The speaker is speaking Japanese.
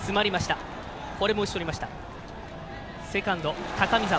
セカンド、高見澤。